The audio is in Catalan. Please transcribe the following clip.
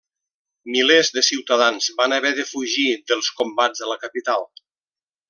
Milers de ciutadans van haver de fugir dels combats a la capital.